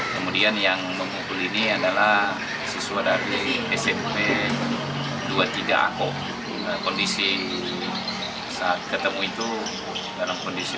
kemudian yang memukul ini adalah siswa dari smp dua puluh tiga ako kondisi saat ketemu itu dalam kondisi